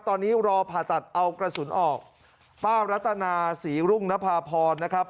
ตอนนี้รอผ่าตัดเอากระสุนออกป้ารัตนาศรีรุ่งนภาพรนะครับ